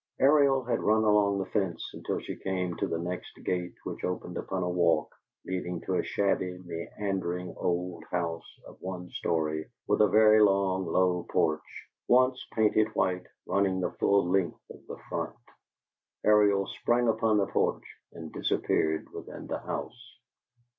Ariel had run along the fence until she came to the next gate, which opened upon a walk leading to a shabby, meandering old house of one story, with a very long, low porch, once painted white, running the full length of the front. Ariel sprang upon the porch and disappeared within the house.